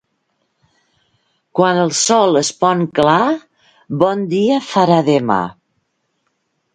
Quan el sol es pon clar, bon dia farà demà.